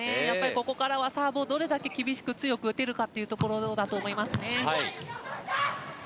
ここからはサーブをどれだけ強く厳しく強く打てるかだと思います。